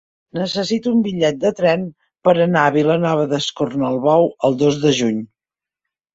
Necessito un bitllet de tren per anar a Vilanova d'Escornalbou el dos de juny.